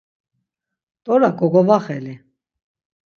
t̆ora gogovaxeli.